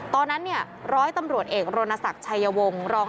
ตอนนั้นเนี่ย๑๐๐ตำรวจเอกโรนสักชัยวงรอง